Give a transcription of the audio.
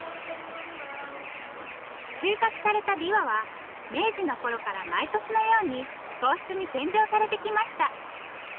収穫されたびわは明治のころから毎年のように皇室に献上されてきました。